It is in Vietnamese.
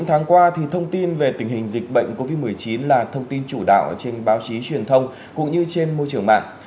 bốn tháng qua thông tin về tình hình dịch bệnh covid một mươi chín là thông tin chủ đạo trên báo chí truyền thông cũng như trên môi trường mạng